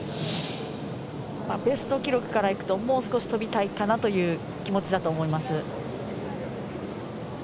ベスト記録からいくともう少し跳びたいかなという気持ちだと思います。